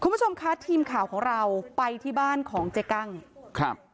คุณผู้ชมคะทีมข่าวของเราไปที่บ้านของเจ๊กั้งครับ